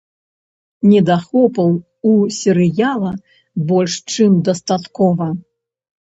Недахопаў у серыяла больш чым дастаткова.